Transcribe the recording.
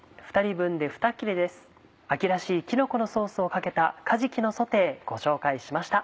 秋らしいきのこのソースをかけたかじきのソテーご紹介しました。